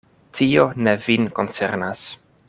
Tio ne vin koncernas.